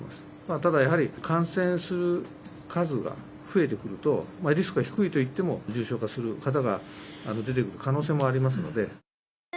ただやはり、感染する数が増えてくると、リスクが低いといっても、重症化する方が出てくる可能性もありますので。